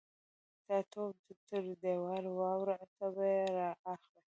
_تا توپ تر دېوال واړاوه، ته به يې را اخلې.